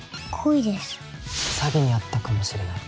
詐欺に遭ったかもしれない。